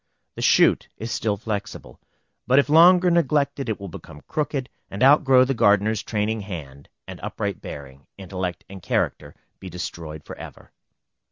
The shoot is still flexible; but if longer neglected it will become crooked, and outgrow the gardener's training hand, and upright bearing, intellect, and character, be destroyed forever.